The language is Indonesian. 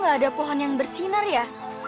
kok gak ada pohon yang bersinar ya